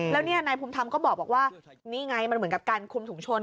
แล้วนี่นายภูมิธรรมก็บอกว่านี่ไงมันเหมือนกับการคุมถุงชน